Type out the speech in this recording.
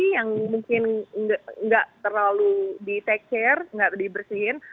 yang mungkin nggak terlalu di take care nggak dibersihin